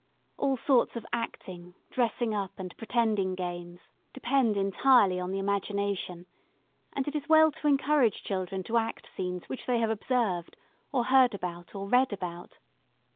All sorts of acting, dressing up, and pretending games depend entirely on the imagination, and it is well to encourage children to act scenes which they have observed, or heard about or read about.